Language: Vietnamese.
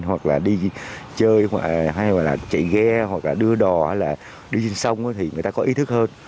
hoặc là đi chơi hay gọi là chạy ghe hoặc là đưa đò hay là đi trên sông thì người ta có ý thức hơn